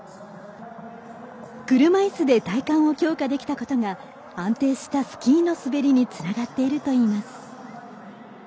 車いすで体幹を強化できたことが安定したスキーの滑りにつながっているといいます。